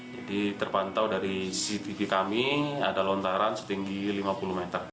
jadi terpantau dari cctv kami ada lontaran setinggi lima puluh meter